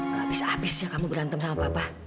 gak habis habis ya kamu berantem sama bapak